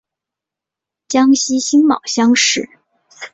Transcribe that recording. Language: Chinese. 江西辛卯乡试。